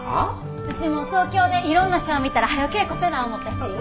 ウチも東京でいろんなショー見たらはよ稽古せな思て。